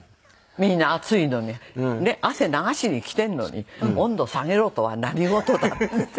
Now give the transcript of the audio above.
みんな暑いのに汗流しに来てるのに温度下げろとは何事だっつって。